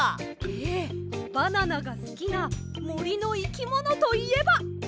ええバナナがすきなもりのいきものといえば。